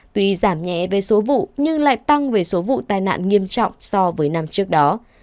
tuy giảm nhẹ về số vụ nhưng lại tăng về số vụ tai nạn nghiêm trọng so với năm trước đó